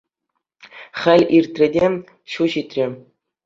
Хӗл иртрӗ те — ҫу ҫитрӗ.